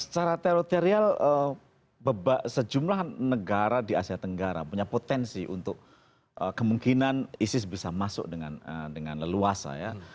secara teritorial sejumlah negara di asia tenggara punya potensi untuk kemungkinan isis bisa masuk dengan leluasa ya